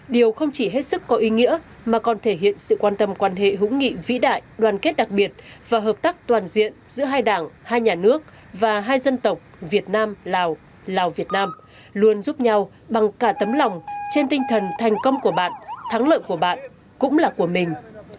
điều không chỉ hết sức có ý nghĩa mà còn thể hiện sự quan tâm quan hệ hữu nghị vĩ đại đoàn kết đặc biệt và hợp tác toàn diện giữa hai đảng hai nhà nước và hai dân tộc việt nam lào lào việt nam luôn giúp nhau bằng cả tấm lòng trên tinh thần thành công của bạn thắng lợi của bạn cũng là của mình